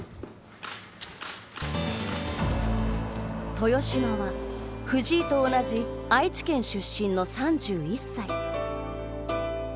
豊島は、藤井と同じ愛知県出身の３１歳。